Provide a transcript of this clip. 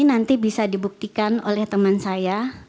nanti bisa dibuktikan oleh teman saya